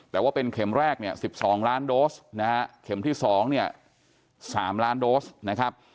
แต่ว่าเป็นเข็มแรกเนี่ย๑๒ล้านโดสนะฮะเข็มที่๒เนี่ย๓ล้านโดสนะครับ